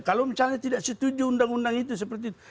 kalau misalnya tidak setuju undang undang itu seperti itu